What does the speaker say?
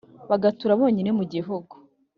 bagatura bonyine mu gihugu!